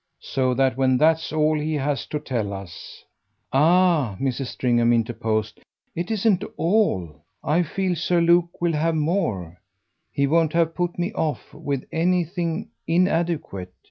So that when THAT'S all he has to tell us !" "Ah," Mrs. Stringham interposed, "it isn't 'all.' I feel Sir Luke will have more; he won't have put me off with anything inadequate.